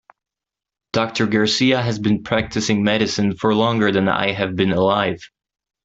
Doctor Garcia has been practicing medicine for longer than I have been alive.